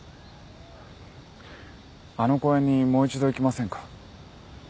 あの公園にもう一度行きませんか？